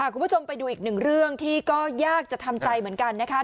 คุณผู้ชมไปดูอีกหนึ่งเรื่องที่ก็ยากจะทำใจเหมือนกันนะคะ